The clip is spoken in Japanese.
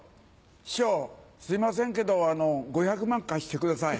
師匠すいませんけどあの５００万貸してください。